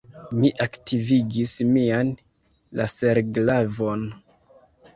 Mi aktivigis mian laserglavon.